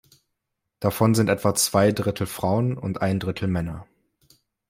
Davon sind etwa zwei Drittel Frauen und ein Drittel Männer.